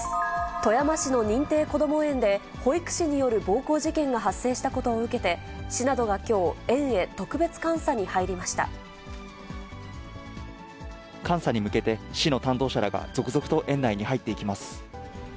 富山市の認定こども園で、保育士による暴行事件が発生したことを受けて、市などがきょう、監査に向けて、市の担当者らが続々と園内に入っていきます。